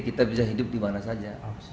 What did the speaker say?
kita bisa hidup dimana saja